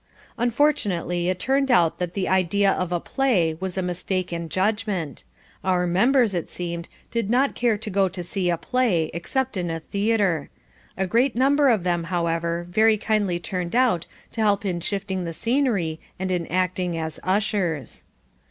Unfortunately it turned out that the idea of a PLAY was a mistake in judgment. Our members, it seemed, did not care to go to see a play except in a theatre. A great number of them, however, very kindly turned out to help in shifting the scenery and in acting as ushers.